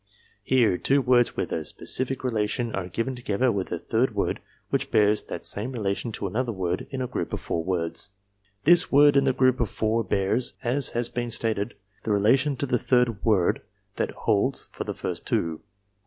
Here two words with a specific relation are given together with a third word which bears that same relation to another word in a group of four words. This word in the group of four bears, as has been stated, the relation to the third word that holds for the first two.